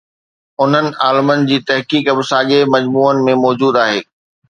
انهن عالمن جي تحقيق به ساڳئي مجموعن ۾ موجود آهي.